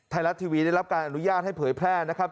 ไทยรัฐทีวีได้รับการอนุญาตให้เผยแพร่นะครับ